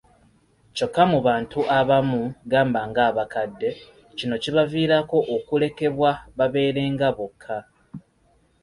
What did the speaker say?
Kyokka mu bantu abamu, gamba ng'abakadde, kino kibaviirako okulekebwa babeerenga bokka